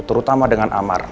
terutama dengan amar